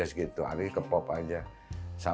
akhirnya ke pop aja